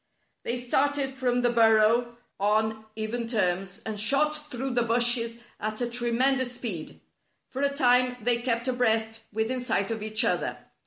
They started from the burrow on even terms, and shot through the bushes at a tremen dous speed. For a time they kept abreast within sight of each other.